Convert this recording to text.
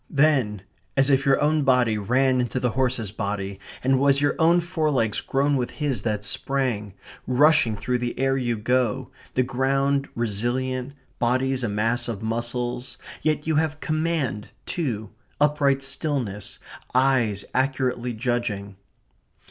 Then as if your own body ran into the horse's body and it was your own forelegs grown with his that sprang, rushing through the air you go, the ground resilient, bodies a mass of muscles, yet you have command too, upright stillness, eyes accurately judging.